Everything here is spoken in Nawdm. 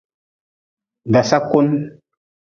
Dasakun.